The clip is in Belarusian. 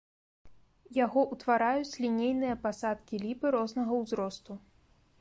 Яго ўтвараюць лінейныя пасадкі ліпы рознага ўзросту.